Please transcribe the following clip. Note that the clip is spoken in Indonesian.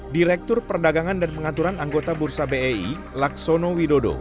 direktur perdagangan dan pengaturan anggota bursa bei laksono widodo